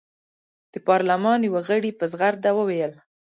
د پارلمان یوه غړي په زغرده وویل.